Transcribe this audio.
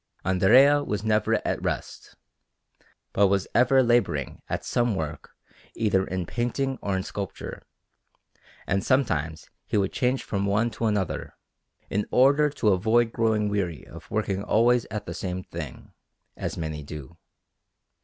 Andrea was never at rest, but was ever labouring at some work either in painting or in sculpture; and sometimes he would change from one to another, in order to avoid growing weary of working always at the same thing, as many do.